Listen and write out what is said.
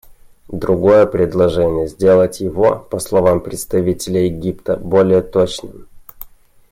Другое предложение — сделать его, по словам представителя Египта, более точным.